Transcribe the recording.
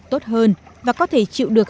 tốt hơn và có thể chịu được